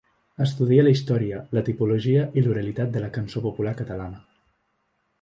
Estudia la història, la tipologia i l'oralitat de la cançó popular catalana.